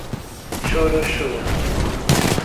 Chorrochó